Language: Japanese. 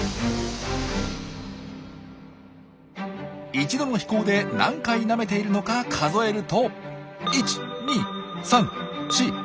一度の飛行で何回なめているのか数えると。